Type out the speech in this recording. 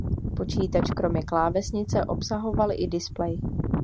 Počítač kromě klávesnice obsahoval i displej.